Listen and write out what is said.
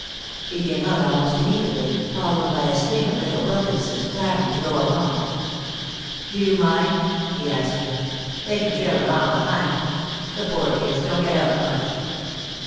He came out almost immediately, followed by a string of little Wilkinsons, clamoring to go along. "Do you mind?" he asked her. "They can trail along behind. The poor kids don't get out much."